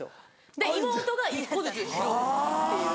で妹が１個ずつ拾うっていう。